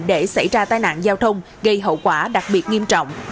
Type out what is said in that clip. để xảy ra tai nạn giao thông gây hậu quả đặc biệt nghiêm trọng